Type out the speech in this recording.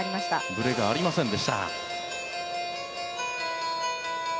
ブレがありませんでした。